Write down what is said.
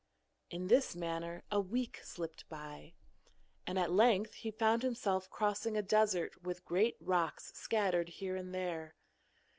In this manner a week slipped by, and at length he found himself crossing a desert with great rocks scattered here and there.